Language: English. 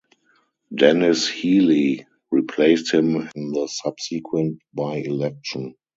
Denis Healey replaced him in the subsequent by-election.